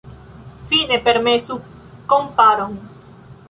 Fine, permesu komparon.